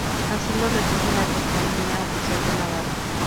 Así lo recoge la Toponimia Oficial de Navarra.